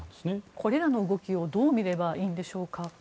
これらの動きをどう見ればいいんでしょうか？